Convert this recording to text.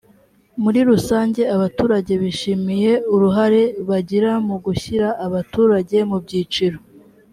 muri rusange abaturage bishimiye uruhare bagira mu gushyira abaturage mu byiciro